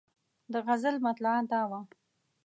د غزل مطلع دا وه.